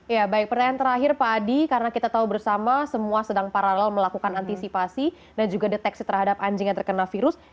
ya baik pertanyaan terakhir pak adi karena kita tahu bersama semua sedang paralel melakukan antisipasi dan juga deteksi terhadap anjing yang terkena virus